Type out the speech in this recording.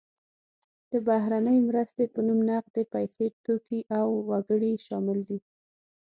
د بهرنۍ مرستې په نوم نغدې پیسې، توکي او وګړي شامل دي.